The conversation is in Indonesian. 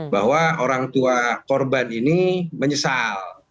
bahwa orangtua korban ini menyesal